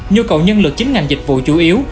nhu cầu nhân lực chính ngành dịch vụ chủ yếu